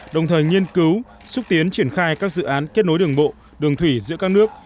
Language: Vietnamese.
đồng thời nghiên cứu xúc tiến triển khai các dự án kết nối đường bộ đường thủy giữa các nước